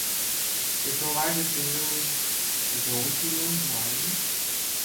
It provided the single, Don't You Know Who I Am?